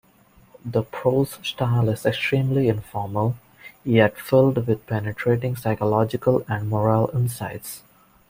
The prose style is extremely informal, yet filled with penetrating psychological and moral insights.